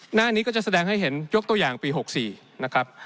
หน้านี้ก็จะแสดงให้เห็นยกตัวอย่างปี๖๔นะครับ